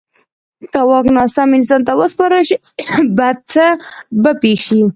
که واک ناسم انسان ته وسپارل شي، بد څه به پېښ شي.